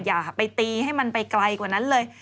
อย่าไปตีให้มันไปไกลกว่านั้นเลย